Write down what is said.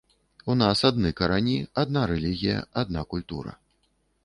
У нас адны карані, адна рэлігія, адна культура.